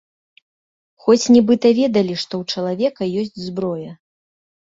Хоць нібыта ведалі, што ў чалавека ёсць зброя.